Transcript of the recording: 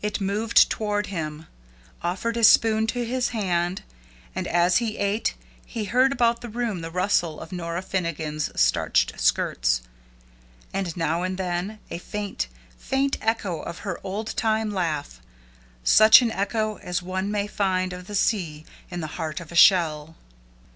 It moved toward him, offered a spoon to his hand, and as he ate he heard about the room the rustle of Nora Finnegan's starched skirts, and now and then a faint, faint echo of her old time laugh such an echo as one may find of the sea in the heart of a shell.